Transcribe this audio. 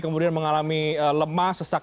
kemudian mengalami lemas sesak